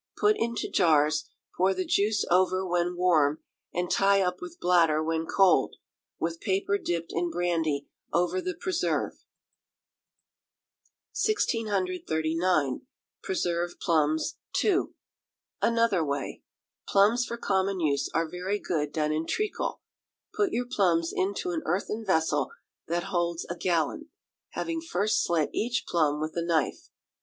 Put into jars, pour the juice over when warm, and tie up with bladder when cold, with paper dipped in brandy over the preserve. 1639. Preserved Plums (2). Another Way. Plums for common use are very good done in treacle. Put your plums into an earthen vessel that holds a gallon, having first slit each plum with a knife.